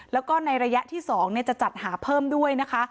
แล้วก็ในระยะที่๒จะจัดหาเพิ่มด้วยนะคะ